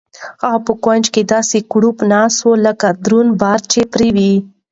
هغه په کوچ کې داسې کړوپه ناسته وه لکه دروند بار چې پرې وي.